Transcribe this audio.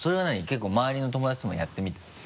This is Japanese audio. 結構周りの友達ともやってみたの？